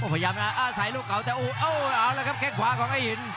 พยายามอาศัยลูกเก่าแต่โอ้โหแค่งขวาของไอ้หิน